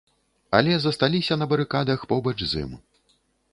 Але засталіся на барыкадах побач з ім.